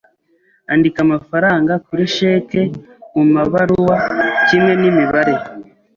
Andika amafaranga kuri cheque mumabaruwa kimwe nimibare.